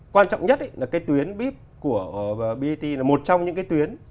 quan trọng nhất là cái tuyến bíp của brt là một trong những cái tuyến